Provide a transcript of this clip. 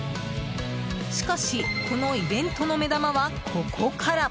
しかし、このイベントの目玉はここから。